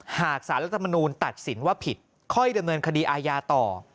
หากสารรัฐมนูลตัดสินว่าผิดค่อยดำเนินคดีอาญาต่อ